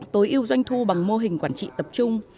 tối ưu doanh thu bằng mô hình quản trị tập trung